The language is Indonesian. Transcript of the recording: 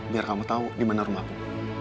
biar kamu tau dimana rumahku